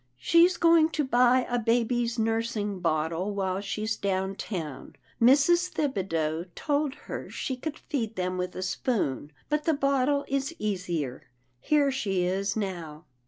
"" She's going to buy a baby's nursing bottle while she's down town. Mrs. Thibideau told her she could feed them with a spoon, but the bottle is easier — Here she is now."